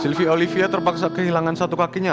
sylvi olivia terpaksa kehilangan satu kakinya